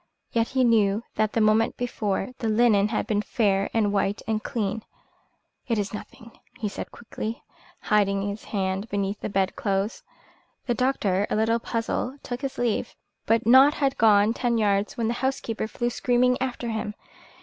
Yet he knew that the moment before the linen had been fair and white and clean. "It is nothing," he said quickly, hiding his hand beneath the bed clothes. The doctor, a little puzzled, took his leave, but had not gone ten yards when the housekeeper flew screaming after him.